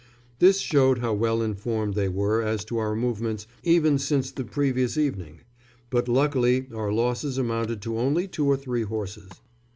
This showed how well informed they were as to our movements even since the previous evening; but luckily our losses amounted to only two or three horses.